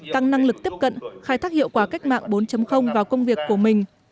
tăng năng lực tiếp cận khai thác hiệu quả cách mạng bốn vào công việc của mình